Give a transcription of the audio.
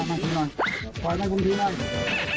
ส่องไหนจะจำเหมือนกัน